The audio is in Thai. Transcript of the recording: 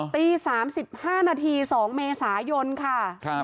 ตี๓๕นาที๒เมษายนค่ะ